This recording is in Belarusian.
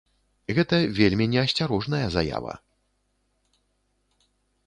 Гэта вельмі не асцярожная заява.